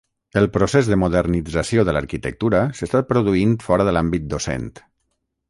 El procés de modernització de l'arquitectura s'està produint fora de l'àmbit docent.